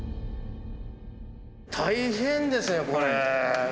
大変ですねこれ。